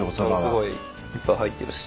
すごいいっぱい入ってるし。